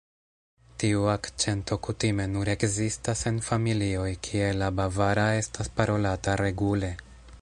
Tiu akĉento kutime nur ekzistas en familioj kie la bavara estas parolata regule.